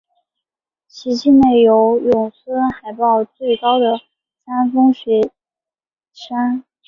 其境内有永春海报最高的山峰雪山。